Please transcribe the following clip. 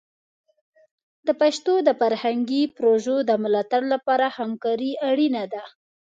د پښتو د فرهنګي پروژو د ملاتړ لپاره همکاري اړینه ده.